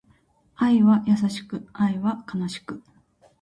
愛は優しく、愛は悲しく